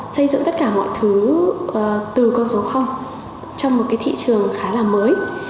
xây dựng tất cả mọi thứ từ con số trong một thị trường khá là mới